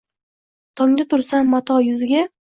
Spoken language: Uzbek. Tongda tursam mato yuziga